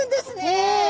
え！